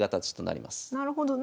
なるほど。